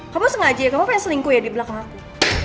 kamu sengaja ya kamu pengen selingkuh ya di belakang aku